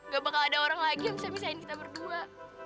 gak bakal ada orang lagi yang bisa misahin kita berdua